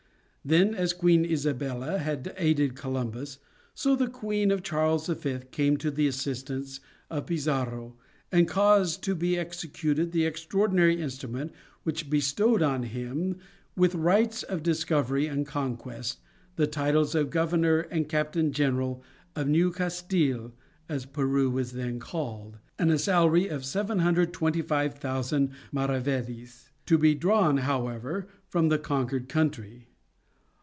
Then, as Queen Isabella had aided Columbus, so the queen of Charles V. came to the assistance of Pizarro, and caused to be executed the extraordinary instrument which bestowed on him, with the rights of discovery and conquest, the titles of Governor and Captain General of New Castile, as Peru was then called, and a salary of 725,000 maravedis, to be drawn however from the conquered country.